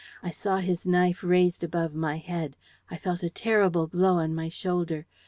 I saw his knife raised above my head. I felt a terrible blow on my shoulder.